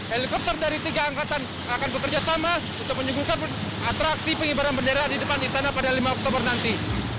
helikopter dari tiga angkatan akan bekerja sama untuk menyuguhkan atraksi pengibaran bendera di depan istana pada lima oktober nanti